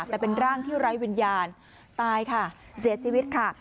แต่เป็นร่างที่ไร้วิญญาณตายค่ะเสียชีวิตค่ะ